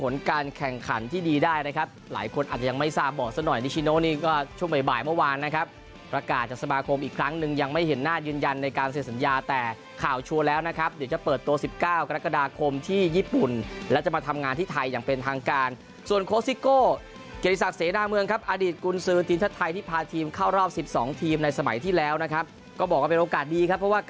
มันนะครับประกาศจากสมาคมอีกครั้งหนึ่งยังไม่เห็นหน้ายืนยันในการเสียสัญญาแต่ข่าวชัวร์แล้วนะครับเดี๋ยวจะเปิดตัว๑๙กรกฎาคมที่ญี่ปุ่นแล้วจะมาทำงานที่ไทยอย่างเป็นทางการส่วนโค้ชซิกโก้เกรียรษัทเสนาเมืองครับอดีตกุลซื้อทีมชาติไทยที่พาทีมเข้ารอบ๑๒ทีมในสมัยที่แล้วนะครับก็บอกว่